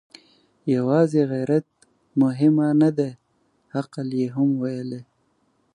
يواځې غيرت مهمه نه ده، عقل يې هم ويلی.